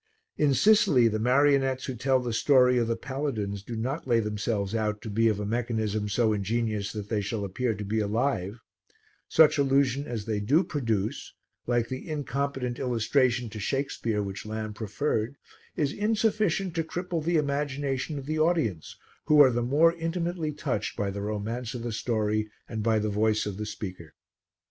In Sicily the marionettes who tell the story of the Paladins do not lay themselves out to be of a mechanism so ingenious that they shall appear to be alive; such illusion as they do produce, like the incompetent illustration to Shakespeare which Lamb preferred, is insufficient to cripple the imagination of the audience who are the more intimately touched by the romance of the story and by the voice of the speaker.